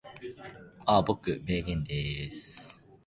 ここにある墓石は、すべて彼らの…名残です